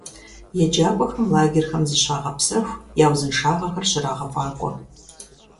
ЕджакӀуэхэм лагерхэм зыщагъэпсэху, я узыншагъэр щрагъэфӀакӀуэ.